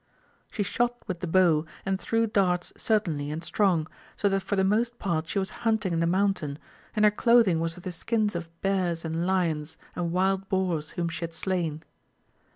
She shot with the bow, and threw darts certainly and strong, so that for the most part she was hunting in the mountain, and her clothing was of the skins of bears and lions and wild boars whom she had slain.